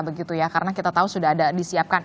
begitu ya karena kita tahu sudah ada disiapkan